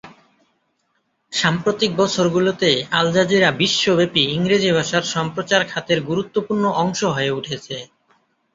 সাম্প্রতিক বছরগুলোতে Al Jazeera বিশ্বব্যাপী ইংরেজি ভাষার সম্প্রচার খাতের গুরুত্বপূর্ণ অংশ হয়ে উঠেছে।